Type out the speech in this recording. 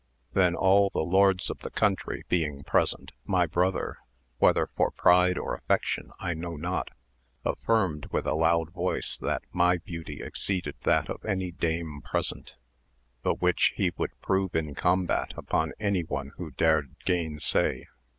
Then all the lords of tlie country being present, my brother, whether for pride or affection I know not, affirmed with a loud voice that my beauty exceeded that of any dame present, the which he would prove in combat upon any one who dared gainsay.